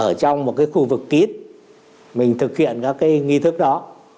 ở trong một cái khu vực kít mình thực hiện cái nghi thức đó